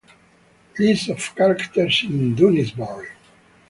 List of characters in "Doonesbury"